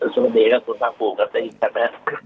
สวัสดีครับคุณพักภูมิครับได้ยินครับไหมครับ